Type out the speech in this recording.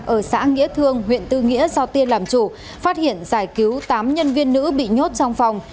ở xã nghĩa thương huyện tư nghĩa do tiên làm chủ phát hiện giải cứu tám nhân viên nữ bị nhốt trong phòng